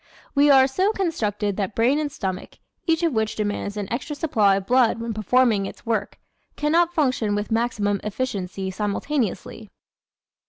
We are so constructed that brain and stomach each of which demands an extra supply of blood when performing its work can not function with maximum efficiency simultaneously.